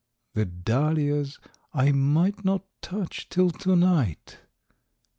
The dahlias I might not touch till to night!